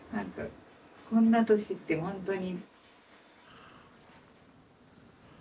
こんな年ってほんとに。